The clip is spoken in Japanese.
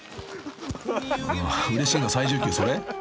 ［うれしいの最上級それ？］